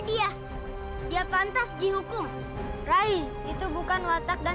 ayah anda akan ajarkan jurus rahasia